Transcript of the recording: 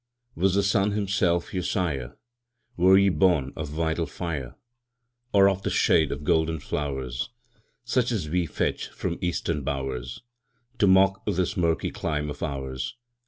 Was the sun himself your sire? Were ye born of vital fire? Or of the shade of golden flowers, Such as we fetch from Eastern bowers, To mock this murky clime of ours?